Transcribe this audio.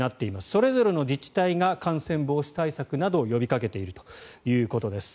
それぞれの自治体が感染防止対策などを呼びかけているということです。